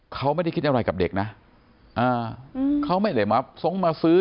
เขาไม่ได้คิดอะไรกับเด็กนะเขาไม่ได้มาทรงมาซื้อ